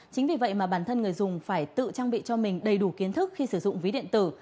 chính vì vậy mà bản thân người dùng phải tự trang bị cho mình đầy đủ kiến thức khi sử dụng ví điện tử